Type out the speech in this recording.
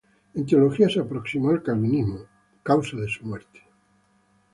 En teología se aproximó al calvinismo, causa de su muerte.